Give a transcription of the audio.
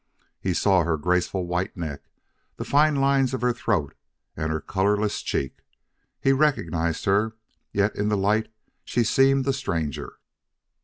He saw her graceful white neck, the fine lines of her throat, and her colorless cheek. He recognized her, yet in the light she seemed a stranger.